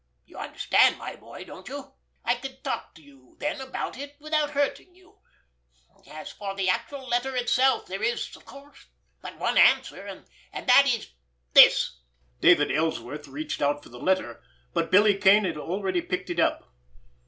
You understand, my boy, don't you? I could talk to you then about it without hurting you. As for the actual letter itself, there is, of course, but one answer, and that is—this!" David Ellsworth reached out for the letter—but Billy Kane had already picked it up.